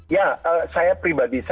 ya saya pribadi